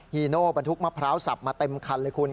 ีโน่บรรทุกมะพร้าวสับมาเต็มคันเลยคุณ